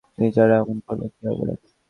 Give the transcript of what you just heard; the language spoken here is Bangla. নির্জারা, এমন করলে কি হবে?